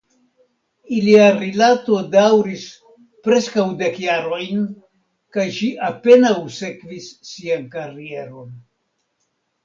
Ilia rilato daŭris preskaŭ dek jarojn kaj ŝi apenaŭ sekvis sian karieron.